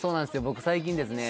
僕最近ですね